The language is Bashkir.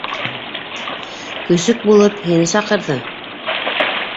Көсөк булып һине саҡырҙы.